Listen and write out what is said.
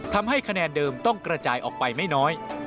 ทำให้คะแนนเดิมต้องกระจายออกไปไม่น้อย